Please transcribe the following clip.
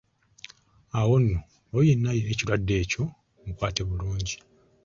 Awo nno, oyo yenna alina ekirwadde ekyo, mukwate bulungi.